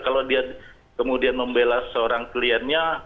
kalau dia kemudian membela seorang kliennya